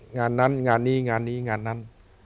งานนั้นงานนี้งานนี้งานนั้น